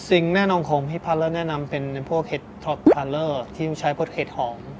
สิ่งแน่นอนของพี่พาเลอร์แนะนำเป็นพวกเห็ดท็อปพาเลอร์ที่ใช้พวกเห็ดหอม